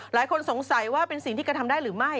หลายคนสงสัยว่าเป็นสิ่งที่กระทำได้หรือไม่